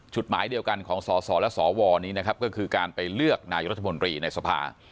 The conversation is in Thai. หมายเดียวกันของสสและสวนี้นะครับก็คือการไปเลือกนายรัฐมนตรีในสภา